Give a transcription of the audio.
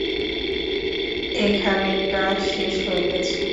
এখানেরটা শেষ হয়ে গেছে।